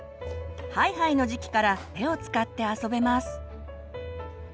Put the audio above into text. ハイハイの時期から手を使って遊べます。